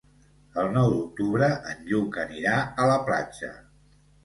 El nou d'octubre en Lluc anirà a la platja.